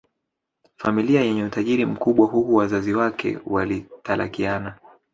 familia yenye utajiri mkubwa Huku wazazi wake walitalakiana